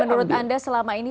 dan menurut anda selama ini